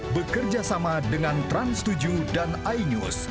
bekerjasama dengan trans tujuh dan ainyus